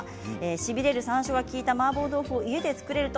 しびれる、さんしょうが利いたマーボー豆腐を家で作れると。